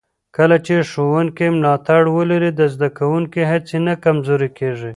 کله چې ښوونکي ملاتړ ولري، د زده کوونکو هڅې نه کمزورې کېږي.